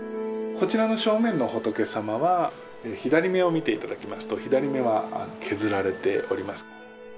こちらの正面の仏様は左目を見て頂きますと左目は削られております。